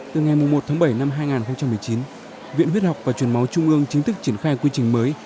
từ ngày một tháng bảy năm hai nghìn một mươi chín viện huyết học và truyền máu trung ương chính thức triển khai quy trình mới